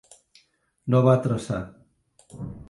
No va traçar.